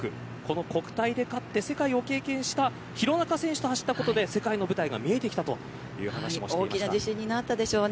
国体で勝って世界を経験した廣中選手と走ったことで世界の舞台が見えた大きな自信になったでしょうね。